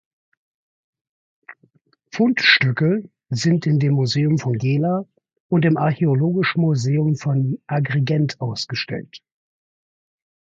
Fundstücke sind in dem Museum von Gela und im archäologischen Museum von Agrigent ausgestellt.